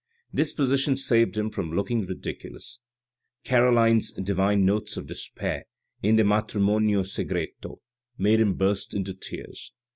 This position saved him from looking ridiculous ; Caroline's divine notes of despair in the Alatrimonio Segreto made him burst into tears.